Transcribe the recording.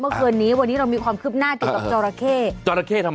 เมื่อคืนนี้วันนี้เรามีความคืบหน้าเกี่ยวกับจอราเคส์